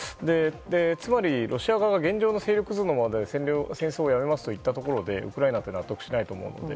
つまり、ロシア側が現状の勢力図のままで戦争をやめますと言ったところでウクライナというのは得しないと思うので。